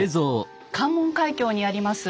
関門海峡にあります